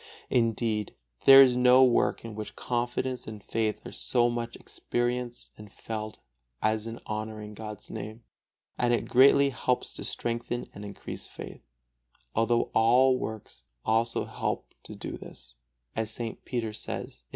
Indeed there is no work in which confidence and faith are so much experienced and felt as in honoring God's Name; and it greatly helps to strengthen and increase faith, although all works also help to do this, as St. Peter says, II.